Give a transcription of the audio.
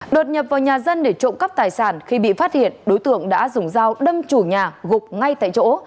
đột nhập vào nhà dân để trộm cắp tài sản khi bị phát hiện đối tượng đã dùng dao đâm chủ nhà gục ngay tại chỗ